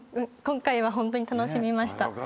今回はホントに楽しみました。